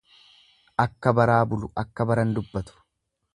Akka baraa bulu akka baran dubbatu.